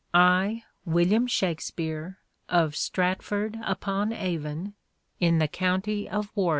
I, William Shackspeare, of Stratford upon Avon, in the county of Warr.